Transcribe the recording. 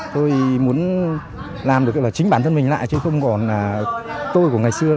tôi muốn làm được là chính bản thân mình lại chứ không còn là tôi của ngày xưa